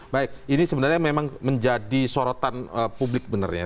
baik ini sebenarnya memang menjadi sorotan publik benarnya